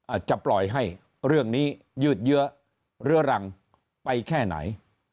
อาจจะปล่อยให้เรื่องนี้ยืดเยื้อเรื้อรังไปแค่ไหน